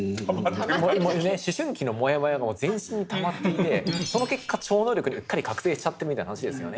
思春期のモヤモヤがもう全身にたまっててその結果超能力にうっかり覚醒しちゃってみたいな話ですよね。